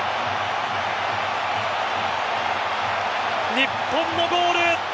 日本のゴール！